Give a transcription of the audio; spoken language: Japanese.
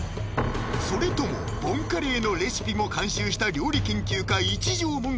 それともボンカレーのレシピも監修した料理研究家・一条もん